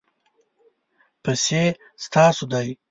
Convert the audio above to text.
پیسې ستاسو دي